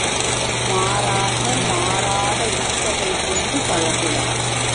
மாறாக, மாறாத உட்பகை கொண்டு பழகுவர்!